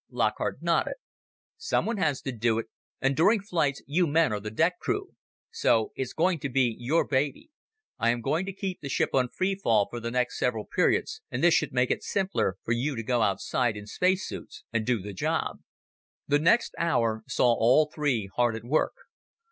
Lockhart nodded. "Someone has to do it, and during flights you men are the deck crew. So it's going to be your baby. I am going to keep the ship on free fall for the next several periods and this should make it simpler for you to go outside, in space suits, and do the job." The next hour saw all three hard at work.